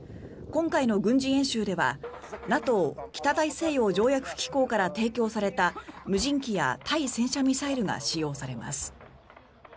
今回の軍事演習ではＮＡＴＯ・北大西洋条約機構から提供された無人機や対戦車ミサイルが使用されます。